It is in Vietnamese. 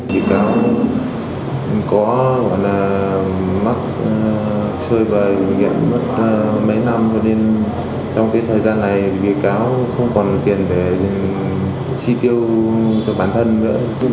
vì cáo có mắc sơi và nghiện mất mấy năm cho nên trong thời gian này vì cáo không còn tiền để chi tiêu cho bản thân nữa